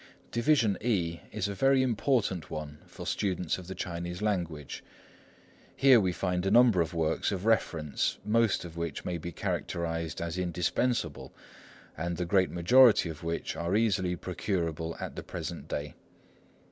Division E is a very important one for students of the Chinese language. Here we find a number of works of reference, most of which may be characterised as indispensable, and the great majority of which are easily procurable at the present day.